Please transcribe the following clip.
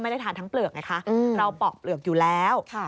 ไม่ได้ทานทั้งเปลือกไงคะเราปอกเปลือกอยู่แล้ว